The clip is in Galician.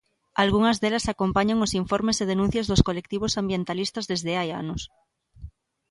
Algunhas delas acompañan os informes e denuncias dos colectivos ambientalistas desde hai anos.